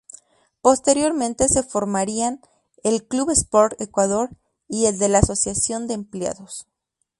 Posteriormente se formarían el Club Sport Ecuador y el de la Asociación de Empleados.